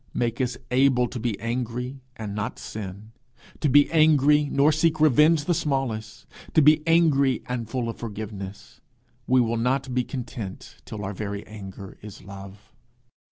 Make us able to be angry and not sin; to be angry nor seek revenge the smallest; to be angry and full of forgiveness. We will not be content till our very anger is love.